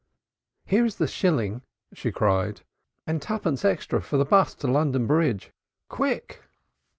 "Here is the shilling," she cried. "And twopence extra for the 'bus to London Bridge. Quick!"